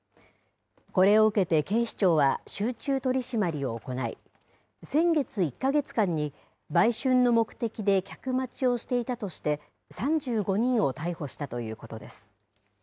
これを受けて警視庁は、集中取締りを行い、先月１か月間に、売春の目的で客待ちをしていたとして、３５人を逮捕したということです。